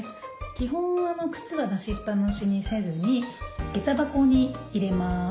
基本は靴は出しっぱなしにせずにげた箱に入れます。